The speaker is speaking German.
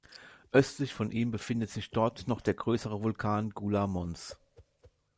Östlich von ihm befindet sich dort der noch größere Vulkan Gula Mons.